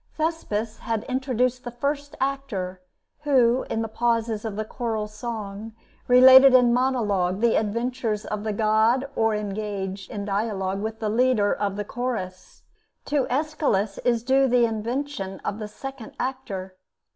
Thespis had introduced the first actor, who, in the pauses of the choral song, related in monologue the adventures of the god or engaged in dialogue with the leader of the chorus. To Aeschylus is due the invention of the second actor.